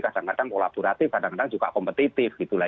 kadang kadang kolaboratif kadang kadang juga kompetitif gitu lah